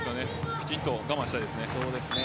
きちんと我慢したいです。